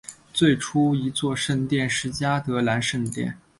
最初的一座圣殿是嘉德兰圣殿。